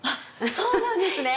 そうなんですね。